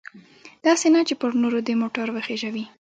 داسې نه چې پر نورو دې موټر وخیژوي.